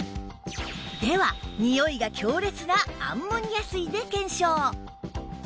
では臭いが強烈なアンモニア水で検証